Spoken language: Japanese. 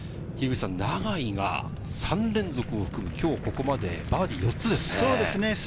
永井が３連続を含む、今日ここまでバーディー４つです。